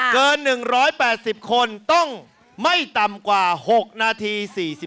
เกิน๑๘๐คนต้องไม่ต่ำกว่า๖นาที๔๐